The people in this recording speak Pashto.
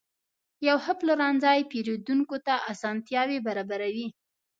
یو ښه پلورنځی پیرودونکو ته اسانتیا برابروي.